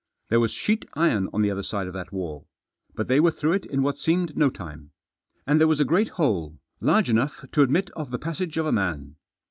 There was sheet iron on the other side that wall. But they were through it in what seemed no time. And there was a great hole, large enough to admit of the passage of a man.